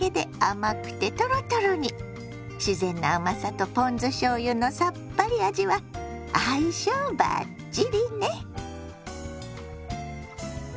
自然な甘さとポン酢しょうゆのさっぱり味は相性バッチリね。